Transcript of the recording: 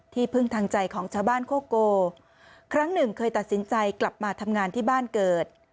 พึ่งทางใจของชาวบ้านโคโกครั้งหนึ่งเคยตัดสินใจกลับมาทำงานที่บ้านเกิด